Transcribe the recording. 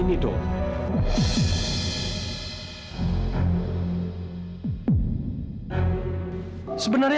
kenapa kamu bisa jadi seperti itu